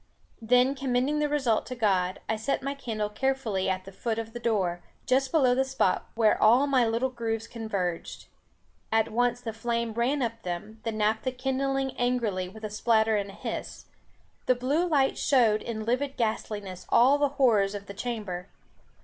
Then commending the result to God, I set my candle carefully at the foot of the door, just below the spot where all my little grooves converged. At once the flame ran up them, the naphtha kindling angrily with a spatter and a hiss. The blue light showed in livid ghastliness all the horrors of the chamber.